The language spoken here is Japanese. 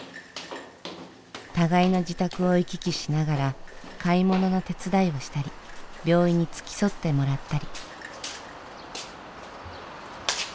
互いの自宅を行き来しながら買い物の手伝いをしたり病院に付き添ってもらったり。